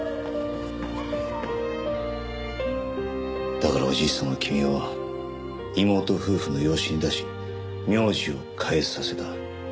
だからおじいさんは君を妹夫婦の養子に出し名字を変えさせた。